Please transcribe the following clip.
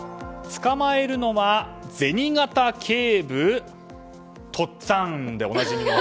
捕まえるのは銭形警部？とっつぁんでおなじみの。